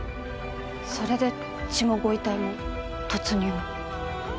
それで血もご遺体も突入も。